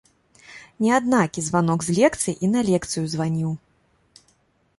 Не аднакі званок з лекцыі і на лекцыю званіў.